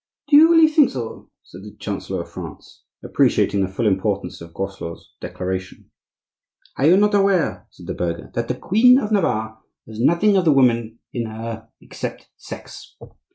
"Do you really think so?" said the chancellor of France, appreciating the full importance of Groslot's declaration. "Are you not aware," said the burgher, "that the Queen of Navarre has nothing of the woman in her except sex?